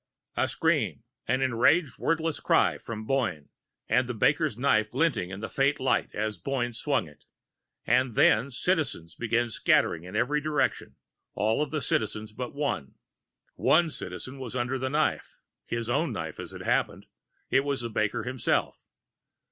A scream. An enraged wordless cry from Boyne, and the baker's knife glinting in the faint light as Boyne swung it. And then Citizens were scattering in every direction all of the Citizens but one. One Citizen was under the knife his own knife, as it happened; it was the baker himself.